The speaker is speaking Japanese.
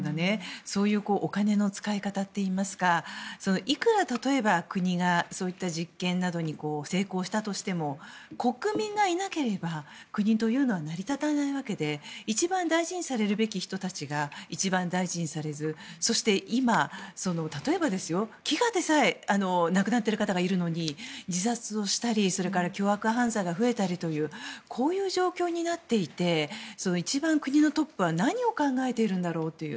そういうお金の使い方といいますかいくら、例えば国がそういった実験などに成功したとしても国民がいなければ国というのは成り立たないわけで一番大事にされるべき人たちが一番大事にされずそして、今、例えば飢餓でさえ亡くなっている方がいるのに自殺をしたりそれから凶悪犯罪が増えたりというこういう状況になっていて一番国のトップは何を考えているんだろうという。